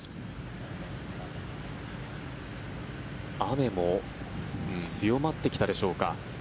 雨も強まってきたでしょうか。